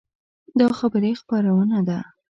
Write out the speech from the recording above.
دا خبري خپرونه ده